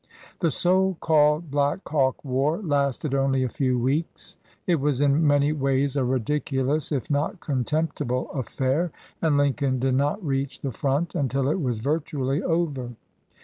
The so called Black Hawk War lasted only a 46 THE LAW STUDENT few weeks. It was in many ways a ridiculous, if not contemptible affair, and Lincoln did not reach the front until it was virtually over.